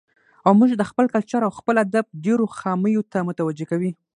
او موږ د خپل کلچر او خپل ادب ډېرو خاميو ته متوجه کوي.